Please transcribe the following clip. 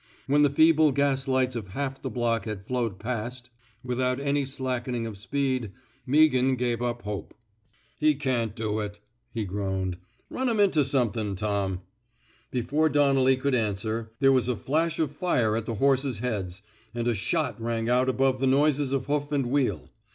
When the feeble gaslights of half the block had flowed past, without any 141 i THE SMOKE. EATEES slackening of speed, Meaghan gave up hope. He can^t do it,*' he groaned. '* Run 'em into somethin', Tom.'* Before Donnelly could answer, there was a flash of fire at the horses' heads, and a shot rang out above the noises of hoof and wheel.